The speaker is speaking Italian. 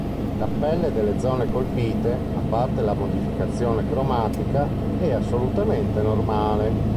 La pelle delle zone colpite, a parte la modificazione cromatica, è assolutamente normale.